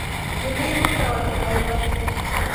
ګلې مه کوه دغېرت.